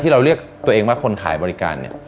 เราเรียกตัวเองว่าคนขายบริการเนี่ย